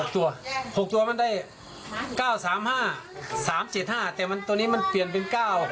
๖ตัว๖ตัวมันได้๙๓๕๓๗๕แต่ตัวนี้มันเปลี่ยนเป็น๙